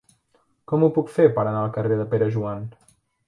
Com ho puc fer per anar al carrer de Pere Joan?